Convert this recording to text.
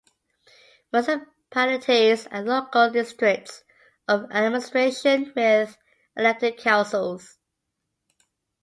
Municipalities are local districts of administration, with elected councils.